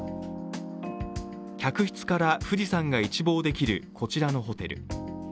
客室から富士山が一望できるこちらのホテル。